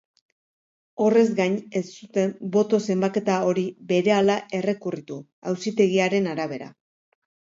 Horrez gain, ez zuten boto-zenbaketa hori berehala errekurritu, auzitegiaren arabera.